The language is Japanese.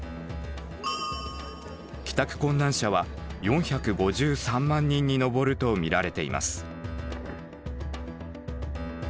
帰宅困難者は４５３万人に上ると見られています。